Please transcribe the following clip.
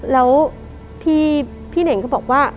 แล้วพี่เน่งก็บอกว่า